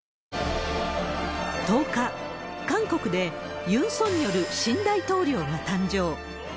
１０日、韓国でユン・ソンニョル新大統領が誕生。